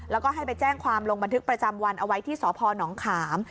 แล้วก็ให้ไปแจ้งความลงบันทึกประจำวันเอาไว้ที่สพนขาม